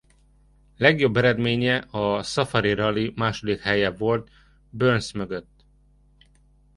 Legjobb eredménye a Szafari Rali második helye volt Burns mögött.